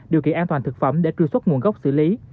điều kiện an toàn thực phẩm để truy xuất nguồn gốc xử lý